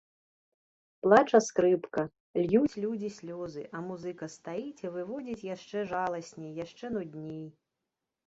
Плача скрыпка, льюць людзі слёзы, а музыка стаіць і выводзіць яшчэ жаласней, яшчэ нудней.